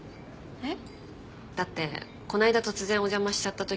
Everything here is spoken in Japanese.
えっ？